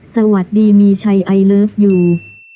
สวัสดีมีชัยไอเลิฟยู